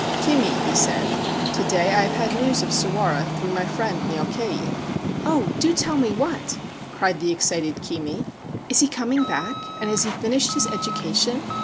' Kimi/ he said, ' to day I have had news of Sawara through my friend Myokei.' ' Oh, do tell me what !' cried the excited Kimi. ' Is he coming back, and has he finished his education